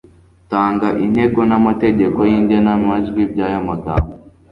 tanga intego n'amategeko y'igenamajwi by'ayamagambo